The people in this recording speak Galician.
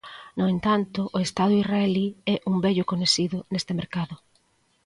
No entanto, o Estado israelí é un vello coñecido neste mercado.